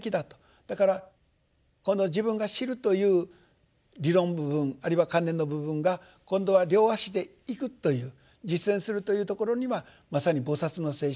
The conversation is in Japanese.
だからこの自分が知るという理論部分あるいは観念の部分が今度は両足で行くという実践するというところにはまさに菩薩の精神。